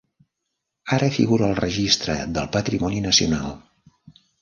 Ara figura al registre del patrimoni nacional.